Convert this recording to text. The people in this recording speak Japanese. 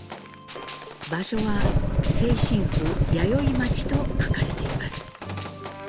場所は「清津府弥生町」と書かれています。